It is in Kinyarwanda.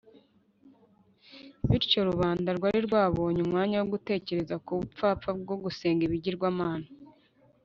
bityo rubanda rwari rwabonye umwanya wo gutekereza ku bupfapfa bwo gusenga ibigirwamana